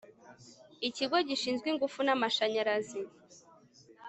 ikigo gishinzwe ingufu n'amashanyarazi